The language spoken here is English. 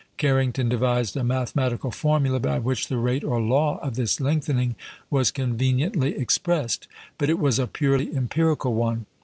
Carrington devised a mathematical formula by which the rate or "law" of this lengthening was conveniently expressed; but it was a purely empirical one.